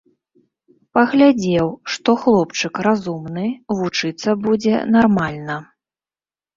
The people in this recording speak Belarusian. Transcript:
Паглядзеў, што хлопчык разумны, вучыцца будзе нармальна.